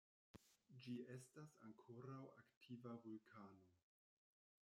Ĝi estas ankoraŭ aktiva vulkano.